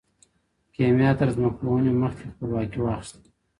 کيميا تر ځمکپوهنې مخکي خپلواکي واخيسته.